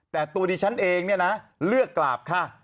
แต่ตัวดีฉันเองเลือกกราบค่ะ